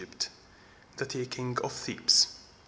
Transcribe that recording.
XII. THE TAKING OF THEBES.